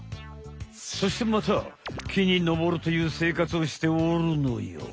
そしてまた木にのぼるという生活をしておるのよ。